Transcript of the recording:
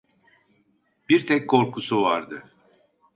Bir tek korkusu vardı: